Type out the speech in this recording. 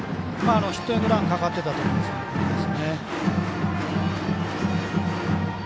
ヒットエンドランかかっていたと思います。